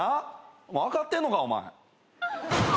分かってんのかお前。